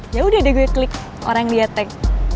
ya udah deh gue klik orang yang dia tag